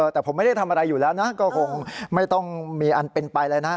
แต่ผมไม่ได้ทำอะไรอยู่แล้วนะก็คงไม่ต้องมีอันเป็นไปแล้วนะ